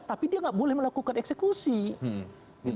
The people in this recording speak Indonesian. tapi dia nggak boleh melakukan eksekusi